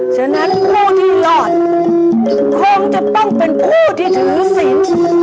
ฉะนั้นผู้ที่รอดคงจะต้องเป็นผู้ที่ถือศิลป์